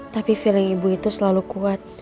tapi feeling ibu itu selalu kuat